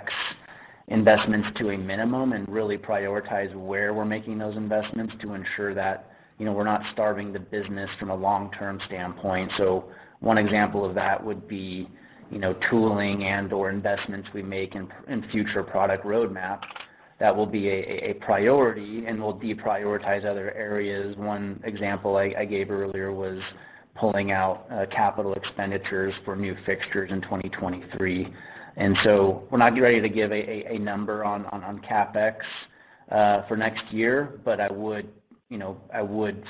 investments to a minimum and really prioritize where we're making those investments to ensure that, you know, we're not starving the business from a long-term standpoint. One example of that would be, you know, tooling and/or investments we make in future product roadmaps that will be a priority, and we'll deprioritize other areas. One example I gave earlier was pulling out capital expenditures for new fixtures in 2023. We're not going to give a number on CapEx for next year, but I would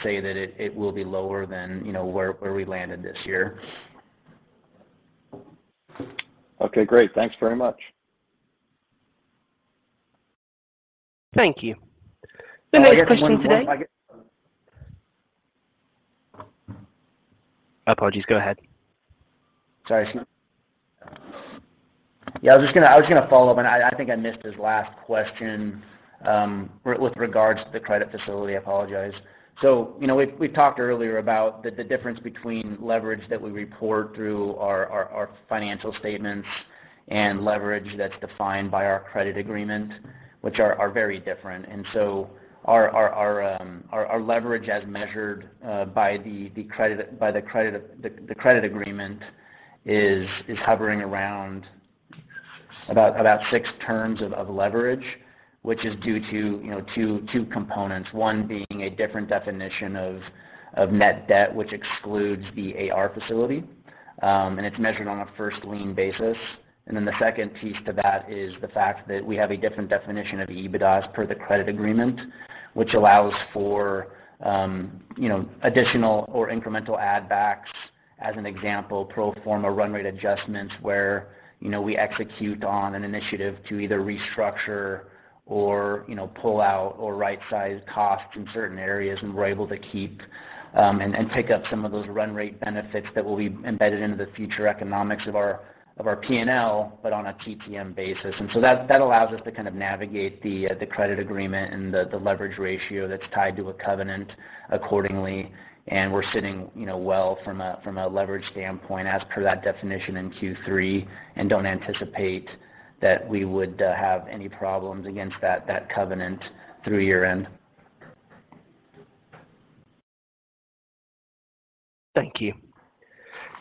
say that it will be lower than where we landed this year. Okay, great. Thanks very much. Thank you. The next question today. I guess one. Apologies, go ahead. Sorry. Yeah, I was just gonna follow up, and I think I missed his last question, with regards to the credit facility. I apologize. You know, we talked earlier about the difference between leverage that we report through our financial statements and leverage that's defined by our credit agreement, which are very different. Our leverage as measured by the credit agreement is hovering around about six terms of leverage, which is due to two components. One being a different definition of net debt, which excludes the AR facility, and it's measured on a first lien basis. Then the second piece to that is the fact that we have a different definition of EBITDA as per the credit agreement, which allows for, you know, additional or incremental add backs, as an example, pro forma run rate adjustments where, you know, we execute on an initiative to either restructure or, you know, pull out or right size costs in certain areas, and we're able to keep and take up some of those run rate benefits that will be embedded into the future economics of our P&L, but on a TTM basis. That allows us to kind of navigate the credit agreement and the leverage ratio that's tied to a covenant accordingly. We're sitting, you know, well from a leverage standpoint as per that definition in Q3 and don't anticipate that we would have any problems against that covenant through year-end. Thank you.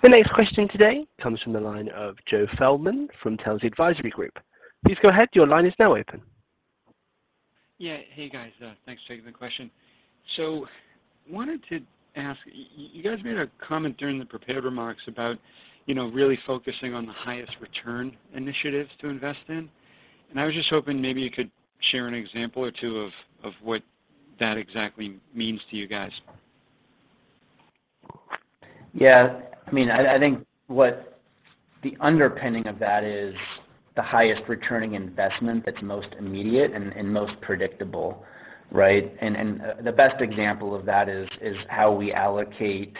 The next question today comes from the line of Joe Feldman from Telsey Advisory Group. Please go ahead. Your line is now open. Yeah. Hey, guys. Thanks for taking the question. Wanted to ask, you guys made a comment during the prepared remarks about, you know, really focusing on the highest return initiatives to invest in, and I was just hoping maybe you could share an example or two of what that exactly means to you guys. Yeah. I mean, I think what the underpinning of that is the highest returning investment that's most immediate and most predictable, right? The best example of that is how we allocate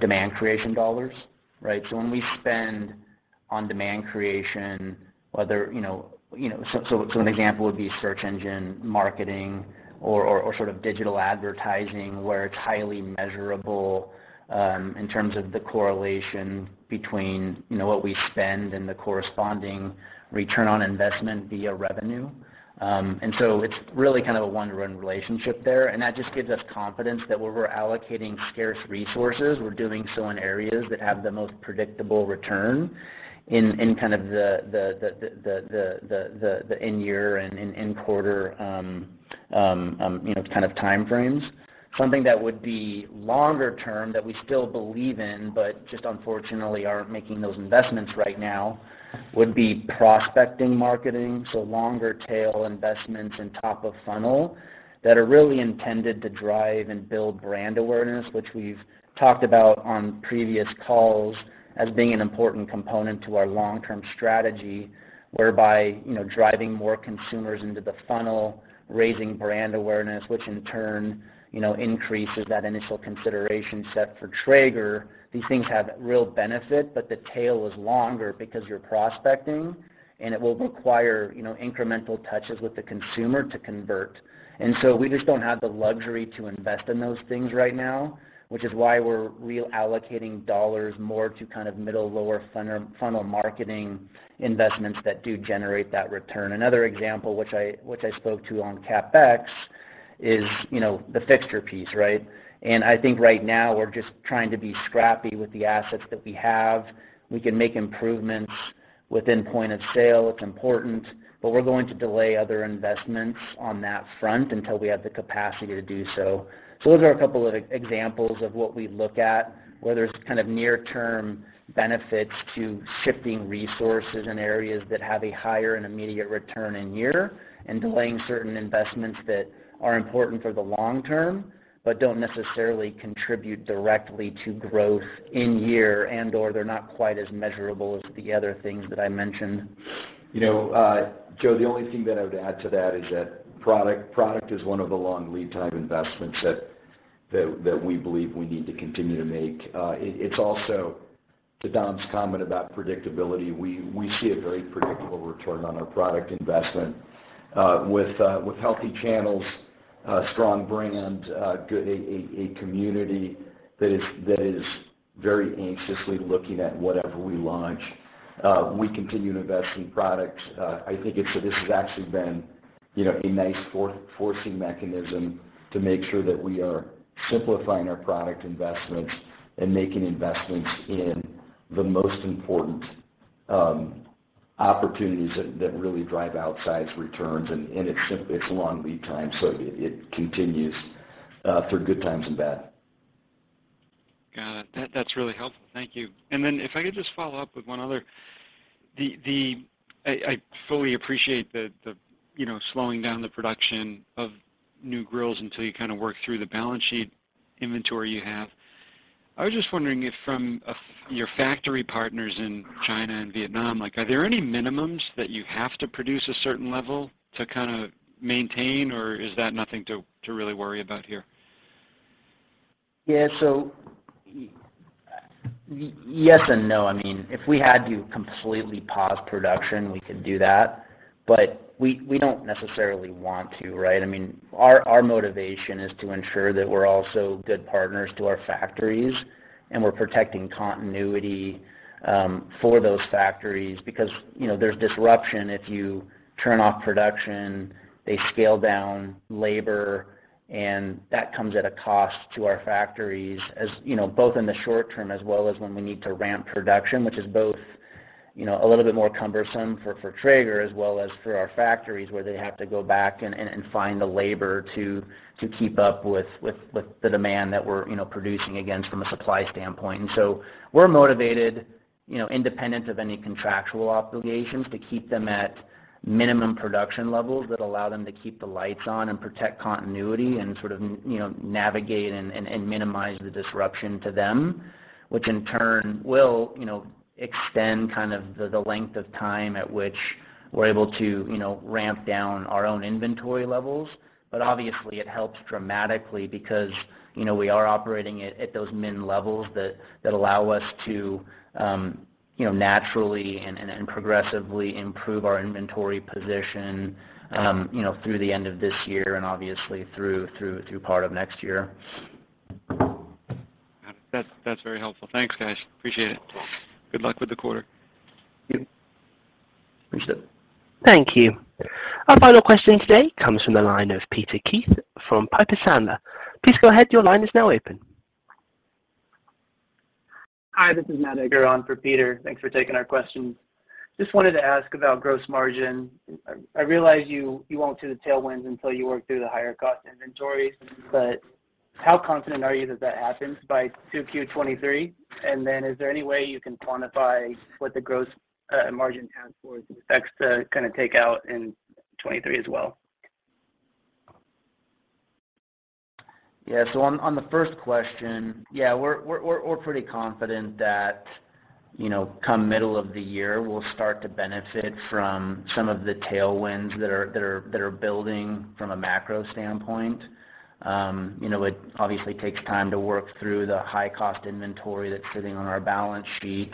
demand creation dollars, right? When we spend on demand creation, an example would be search engine marketing or sort of digital advertising where it's highly measurable in terms of the correlation between you know, what we spend and the corresponding return on investment via revenue. It's really kind of a one run relationship there, and that just gives us confidence that where we're allocating scarce resources, we're doing so in areas that have the most predictable return in kind of the in year and in quarter, you know, kind of time frames. Something that would be longer term that we still believe in, but just unfortunately aren't making those investments right now, would be prospecting marketing, so longer tail investments and top of funnel that are really intended to drive and build brand awareness, which we've talked about on previous calls as being an important component to our long-term strategy, whereby, you know, driving more consumers into the funnel, raising brand awareness, which in turn, you know, increases that initial consideration set for Traeger. These things have real benefit, but the tail is longer because you're prospecting and it will require, you know, incremental touches with the consumer to convert. We just don't have the luxury to invest in those things right now, which is why we're reallocating dollars more to kind of middle lower funnel marketing investments that do generate that return. Another example, which I spoke to on CapEx, you know, the fixture piece, right? I think right now we're just trying to be scrappy with the assets that we have. We can make improvements within point of sale. It's important, but we're going to delay other investments on that front until we have the capacity to do so. Those are a couple of examples of what we look at, whether it's kind of near term benefits to shifting resources in areas that have a higher and immediate return in year, and delaying certain investments that are important for the long term, but don't necessarily contribute directly to growth in year and/or they're not quite as measurable as the other things that I mentioned. You know, Joe, the only thing that I would add to that is that product is one of the long lead time investments that we believe we need to continue to make. It's also to Dom's comment about predictability. We see a very predictable return on our product investment with healthy channels, strong brand, a community that is very anxiously looking at whatever we launch. We continue to invest in products. I think this has actually been, you know, a nice forcing mechanism to make sure that we are simplifying our product investments and making investments in the most important opportunities that really drive outsized returns. It's a long lead time, so it continues through good times and bad. Got it. That's really helpful. Thank you. Then if I could just follow up with one other. I fully appreciate the, you know, slowing down the production of new grills until you kind of work through the balance sheet inventory you have. I was just wondering if from your factory partners in China and Vietnam, like, are there any minimums that you have to produce a certain level to kind of maintain, or is that nothing to really worry about here? Yes and no. I mean, if we had to completely pause production, we could do that, but we don't necessarily want to, right? I mean, our motivation is to ensure that we're also good partners to our factories, and we're protecting continuity for those factories because, you know, there's disruption if you turn off production, they scale down labor, and that comes at a cost to our factories. As you know, both in the short term as well as when we need to ramp production, which is both, you know, a little bit more cumbersome for Traeger as well as for our factories, where they have to go back and find the labor to keep up with the demand that we're, you know, producing against from a supply standpoint. We're motivated, you know, independent of any contractual obligations to keep them at minimum production levels that allow them to keep the lights on and protect continuity and sort of, you know, navigate and minimize the disruption to them. Which in turn will, you know, extend the length of time at which we're able to, you know, ramp down our own inventory levels. But obviously it helps dramatically because, you know, we are operating at those min levels that allow us to, you know, naturally and progressively improve our inventory position, you know, through the end of this year and obviously through part of next year. Got it. That's very helpful. Thanks, guys. Appreciate it. Yeah. Good luck with the quarter. Appreciate it. Thank you. Our final question today comes from the line of Peter Keith from Piper Sandler. Please go ahead. Your line is now open. Hi, this is Matt Egger on for Peter. Thanks for taking our questions. Just wanted to ask about gross margin. I realize you won't see the tailwinds until you work through the higher cost inventory, but how confident are you that happens by 2Q 2023? Is there any way you can quantify what the gross margin task force expects to kind of take out in 2023 as well? Yeah. On the first question, yeah, we're pretty confident that, you know, come middle of the year, we'll start to benefit from some of the tailwinds that are building from a macro standpoint. You know, it obviously takes time to work through the high cost inventory that's sitting on our balance sheet.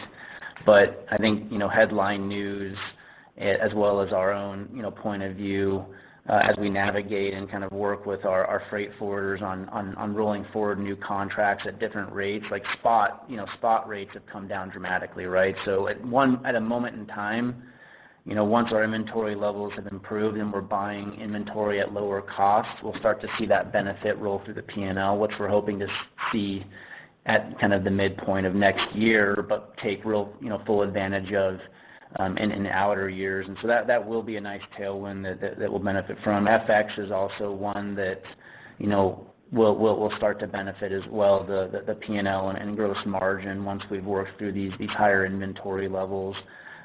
I think, you know, headline news as well as our own, you know, point of view, as we navigate and kind of work with our freight forwarders on rolling forward new contracts at different rates, like spot, you know, spot rates have come down dramatically, right? At a moment in time, you know, once our inventory levels have improved and we're buying inventory at lower cost, we'll start to see that benefit roll through the P&L, which we're hoping to see at kind of the midpoint of next year, but take real, you know, full advantage of, in outer years. That will be a nice tailwind that we'll benefit from. FX is also one that, you know, we'll start to benefit as well, the P&L and gross margin once we've worked through these higher inventory levels.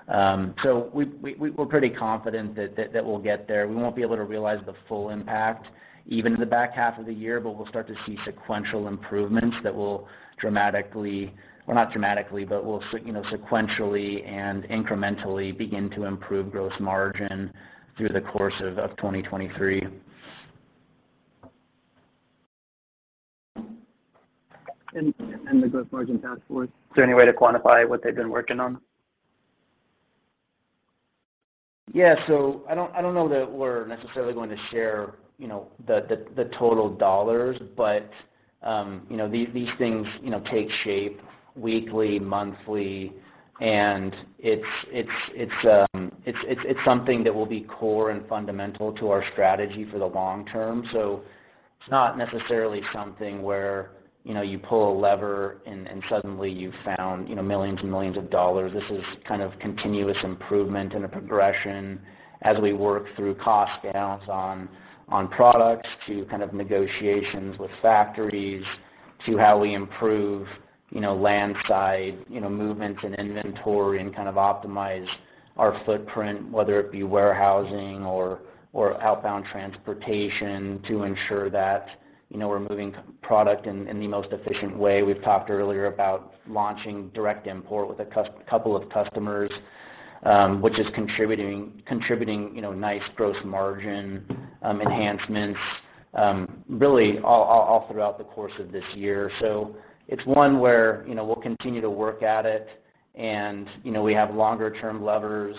We're pretty confident that we'll get there. We won't be able to realize the full impact even in the back half of the year, but we'll start to see sequential improvements that will dramatically. Well, not dramatically, but we'll see, you know, sequentially and incrementally begin to improve gross margin through the course of 2023. The gross margin task force, is there any way to quantify what they've been working on? Yeah. I don't know that we're necessarily going to share, you know, the total dollars. You know, these things, you know, take shape weekly, monthly, and it's something that will be core and fundamental to our strategy for the long term. It's not necessarily something where, you know, you pull a lever and suddenly you found, you know, millions and millions of dollars. This is kind of continuous improvement and a progression as we work through cost downs on products to kind of negotiations with factories to how we improve, you know, land side, you know, movements and inventory and kind of optimize our footprint, whether it be warehousing or outbound transportation to ensure that, you know, we're moving product in the most efficient way. We've talked earlier about launching direct import with a couple of customers, which is contributing, you know, nice gross margin enhancements, really all throughout the course of this year. It's one where, you know, we'll continue to work at it and, you know, we have longer term levers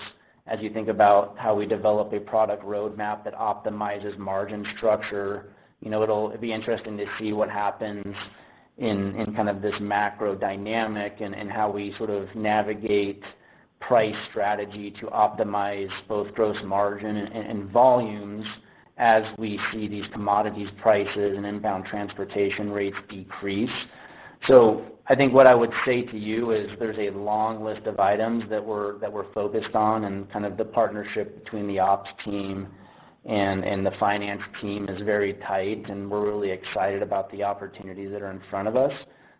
as you think about how we develop a product roadmap that optimizes margin structure. You know, it'll be interesting to see what happens in kind of this macro dynamic and how we sort of navigate price strategy to optimize both gross margin and volumes as we see these commodities prices and inbound transportation rates decrease. I think what I would say to you is there's a long list of items that we're focused on, and kind of the partnership between the ops team and the finance team is very tight, and we're really excited about the opportunities that are in front of us,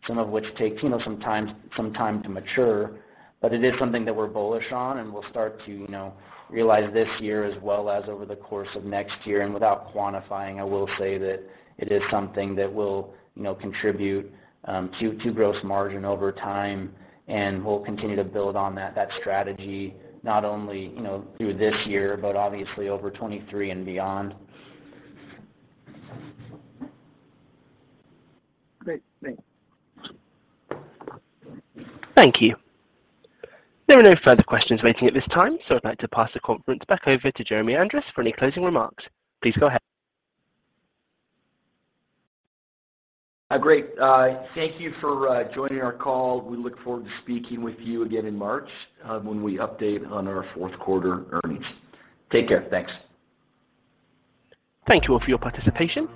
some of which take, you know, some time to mature. It is something that we're bullish on and we'll start to, you know, realize this year as well as over the course of next year. Without quantifying, I will say that it is something that will, you know, contribute to gross margin over time, and we'll continue to build on that strategy, not only, you know, through this year, but obviously over 2023 and beyond. Great. Thanks. Thank you. There are no further questions waiting at this time, so I'd like to pass the conference back over to Jeremy Andrus for any closing remarks. Please go ahead. Great. Thank you for joining our call. We look forward to speaking with you again in March, when we update on our fourth quarter earnings. Take care. Thanks. Thank you all for your participation.